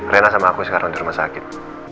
rena sama aku sekarang di rumah sakit